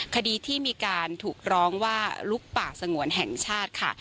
คดีที่มีการถูกร้องว่าลุกป่าสงวนแห่งชาติค่ะ